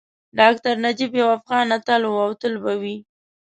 ډاکټر نجیب یو افغان اتل وو او تل به وي